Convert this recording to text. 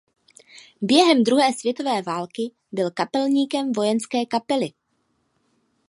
Během druhé světové války byl kapelníkem vojenské kapely.